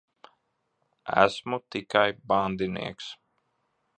Esmu tikai bandinieks.